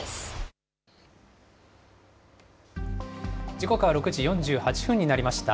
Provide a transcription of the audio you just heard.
時刻は６時４８分になりました。